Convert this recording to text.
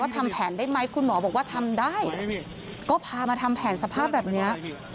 ถ้าหมอบอกว่าทำได้ก็พามาทำแผนสภาพแบบนี้